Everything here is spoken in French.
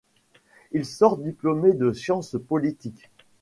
Il sort diplômé de science politique.